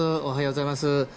おはようございます。